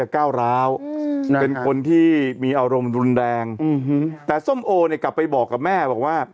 ก้าวร้าวเป็นคนที่มีอารมณ์รุนแรงแต่ส้มโอเนี่ยกลับไปบอกกับแม่บอกว่า